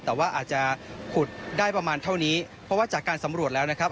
แต่ว่าอาจจะขุดได้ประมาณเท่านี้เพราะว่าจากการสำรวจแล้วนะครับ